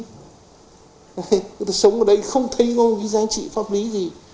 người ta sống ở đấy không thấy ngôn vĩ giá trị pháp lý gì